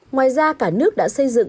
ngoài ra cả nước đã xây dựng